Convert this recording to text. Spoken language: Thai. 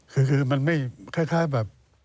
คือมันไม่คล้ายแบบ